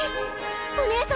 お姉様